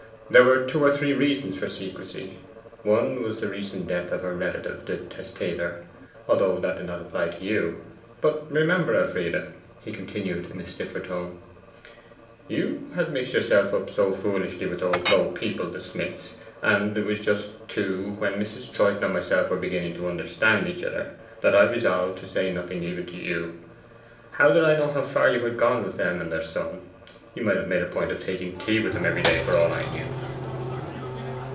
'There were two or three reasons for secrecy. One was the recent death of her relative the testator, though that did not apply to you. But remember, Elfride,' he continued in a stiffer tone, 'you had mixed yourself up so foolishly with those low people, the Smiths and it was just, too, when Mrs. Troyton and myself were beginning to understand each other that I resolved to say nothing even to you. How did I know how far you had gone with them and their son? You might have made a point of taking tea with them every day, for all that I knew.